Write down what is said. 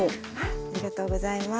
ありがとうございます。